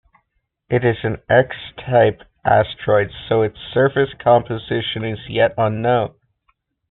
It is an X-type asteroid, so its surface composition is yet unknown.